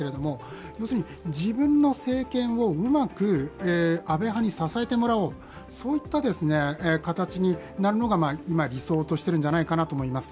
自分の政権をうまく安倍派に支えてもらおうそういった形になるのが理想としているんじゃないかなと思います。